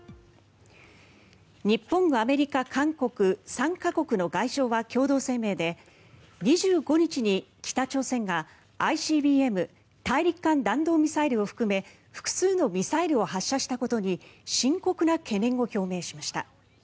日本、アメリカ、韓国３か国の外相は共同声明で２５日に北朝鮮がＩＣＢＭ・大陸間弾道ミサイルを含め複数のミサイルを発射したことに深刻な懸念を表明しました。